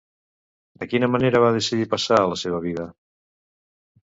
De quina manera va decidir passar la seva vida?